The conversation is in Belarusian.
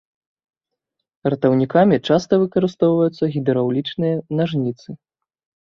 Ратаўнікамі часта выкарыстоўваюцца гідраўлічныя нажніцы.